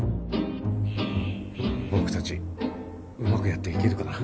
僕たちうまくやっていけるかな？